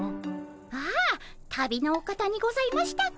ああ旅のお方にございましたか。